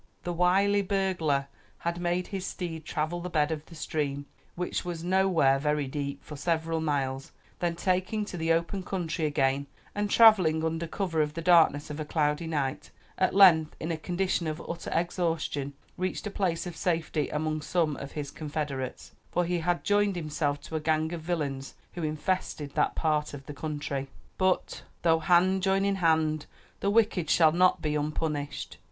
The wily burglar had made his steed travel the bed of the stream, which was nowhere very deep, for several miles; then taking to the open country again and traveling under cover of the darkness of a cloudy night, at length, in a condition of utter exhaustion, reached a place of safety among some of his confederates; for he had joined himself to a gang of villains who infested that part of the country. But "Though hand join in hand, the wicked shall not be unpunished."